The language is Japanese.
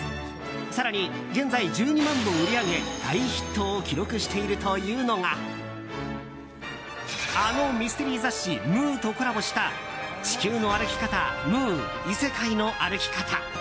更に、現在１２万部を売り上げ大ヒットを記録しているというのがあのミステリー雑誌「ムー」とコラボした「地球の歩き方ムー異世界の歩き方」。